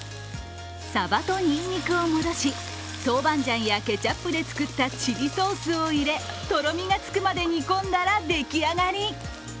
サバとにんにくを戻し豆板醤やケチャップで作ったチリソースを入れとろみがつくまで煮込んだらでき上がり。